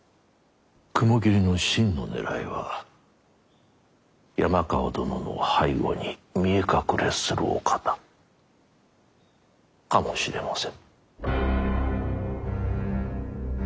雲霧の真の狙いは山川殿の背後に見え隠れするお方かもしれませぬ。